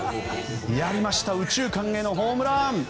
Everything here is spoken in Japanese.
やりました右中間へのホームラン！